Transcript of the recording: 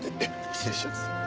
失礼します。